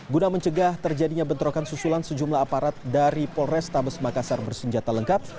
guna mencegah terjadinya bentrokan susulan sejumlah aparat dari polrestabes makassar bersenjata lengkap